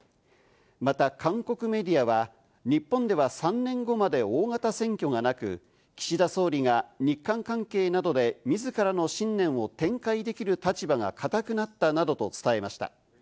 また韓国メディアは、日本では３年後まで大型選挙がなく、岸田総理が日韓関係などで自らの信念を展開できる立場が固くなったなどと伝えました。